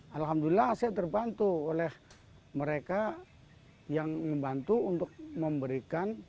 alhamdulillah saya terbantu oleh mereka yang membantu untuk memberikan